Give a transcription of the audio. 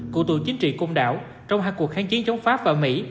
cụ tù chính trị công đảo trong hai cuộc kháng chiến chống pháp và mỹ